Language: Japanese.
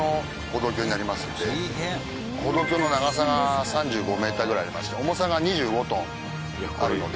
歩道橋の長さが３５メーターぐらいありまして重さが２５トンあるので。